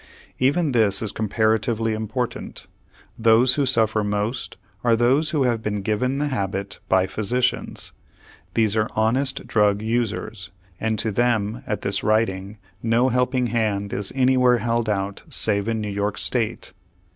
Even this is comparatively unimportant. Those who suffer most are those who have been given the habit by physicians. These are honest drug users, and to them at this writing no helping hand is anywhere held out save in New York State.